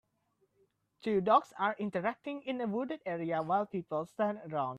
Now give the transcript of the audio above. Two dogs are interacting in a wooded area while people stand around.